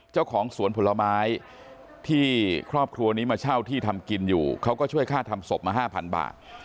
เจ้าของสวนผลไม้ที่ครอบครัวนี้มาเช่าที่ทำกินอยู่เขาก็ช่วยค่าทำศพมา๕๐๐บาท